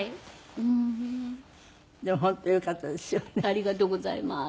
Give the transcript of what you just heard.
ありがとうございます。